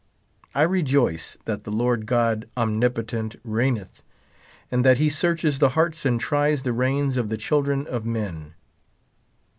I rejoice that the Lord God omnipotent reigneth, and that he searches the heaYts and tries the reins of the children of men.